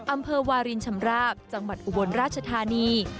อำเภอวารินชำราบจังหวัดอุบลราชธานี